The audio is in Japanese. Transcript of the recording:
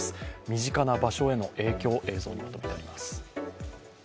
身近な場所への影響、映像にまとめてあります。